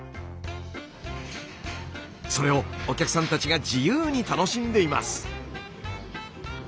それをお客さんたちが自由に楽しんでいます。